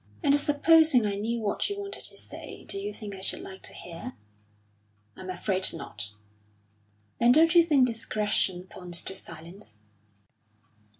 "And supposing I knew what you wanted to say, do you think I should like to hear?" "I'm afraid not." "Then don't you think discretion points to silence?"